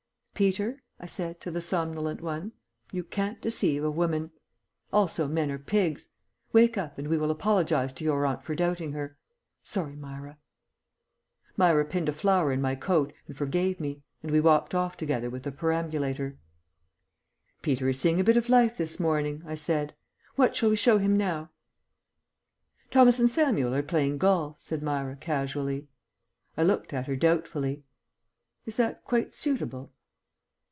"Peter," I said to the somnolent one, "you can't deceive a woman. Also men are pigs. Wake up, and we will apologize to your aunt for doubting her. Sorry, Myra." Myra pinned a flower in my coat and forgave me, and we walked off together with the perambulator. "Peter is seeing a bit of life this morning," I said. "What shall we show him now?" "Thomas and Samuel are playing golf," said Myra casually. I looked at her doubtfully. "Is that quite suitable?"